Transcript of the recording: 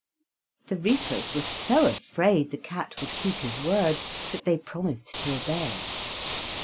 The reapers were so afraid the cat would keep his word that they promised to obey.